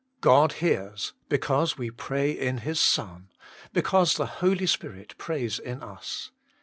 God hears because we pray in His Son, because the Holy Spirit prays in us.